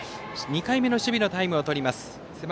２回目の守備のタイムをとります。